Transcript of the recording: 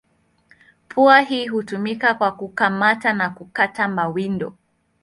Pua hii hutumika kwa kukamata na kukata mawindo.